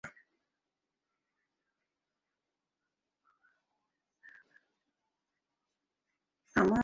আমাদের যা দরকার তার কি সংখ্যা আছে?